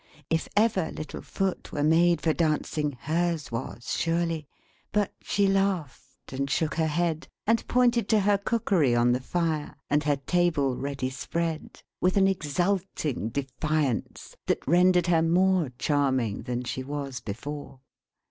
If ever little foot were made for dancing, hers was, surely. But she laughed, and shook her head, and pointed to her cookery on the fire, and her table ready spread: with an exulting defiance that rendered her more charming than she was before.